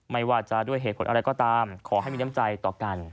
ไม่ว่าจะด้วยเหตุผลอะไรก็ตามขอให้มีน้ำใจต่อกัน